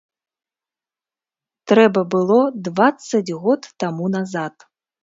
Трэба было дваццаць год таму назад!